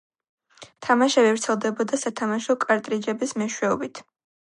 თამაშები ვრცელდებოდა სათამაშო კარტრიჯების მეშვეობით.